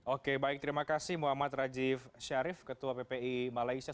oke baik terima kasih muhammad rajif sharif ketua ppi malaysia